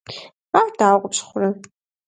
Ар дауэ къыпщыхъурэ?